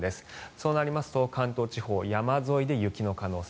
そうなりますと関東地方山沿いで雪の可能性。